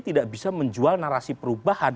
tidak bisa menjual narasi perubahan